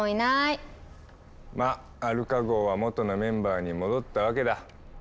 まっアルカ号は元のメンバーに戻ったわけだ。